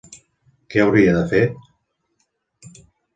Què hauria de fer?